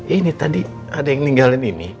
ini tadi ada yang ninggalin ini